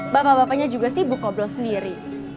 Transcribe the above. bapak bapaknya juga sibuk koblos sendiri